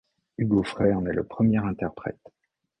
Hugues Aufray en est le premier interprète.